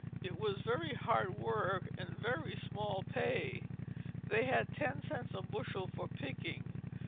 It was very hard work and very small pay. They had ten cents a bushel for picking.